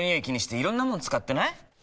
気にしていろんなもの使ってない？